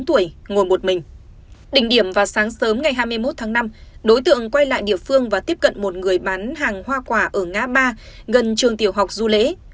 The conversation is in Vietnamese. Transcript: đỉnh điểm vào sáng sớm ngày hai mươi một tháng năm đối tượng quay lại địa phương và tiếp cận một người bán hàng hoa quả ở ngã ba gần trường tiểu học du lễ